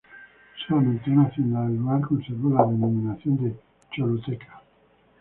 Solamente una hacienda del lugar conservó la denominación de Choluteca.